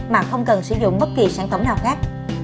mà không cần sử dụng bất kỳ sản phẩm nào khác